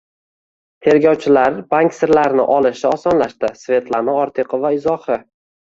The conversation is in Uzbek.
Tergovchilar bank sirlarini olishi osonlashdi. Svetlana Ortiqova izohi